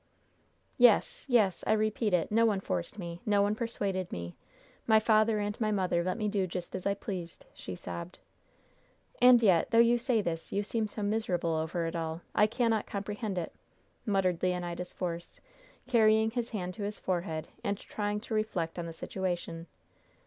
"Yes, yes! I repeat it: No one forced me, no one persuaded me. My father and my mother let me do just as I pleased," she sobbed. "And yet, though you say this, you seem so miserable over it all! I cannot comprehend it!" muttered Leonidas Force, carrying his hand to his forehead and trying to reflect on the situation.